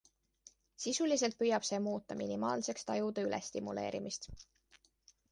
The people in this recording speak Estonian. Sisuliselt püüab see muuta minimaalseks tajude ülestimuleerimist.